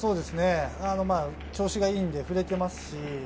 調子がいいので振れていますし。